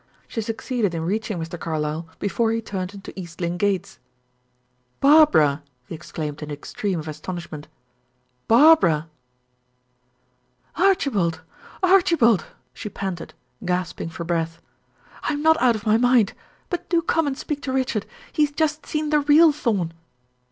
She succeeded in reaching Mr. Carlyle before he turned into East Lynne gates. "Barbara!" he exclaimed in the extreme of astonishment. "Barbara!" "Archibald! Archibald!" She panted, gasping for breath. "I am not out of my mind but do come and speak to Richard! He has just seen the real Thorn."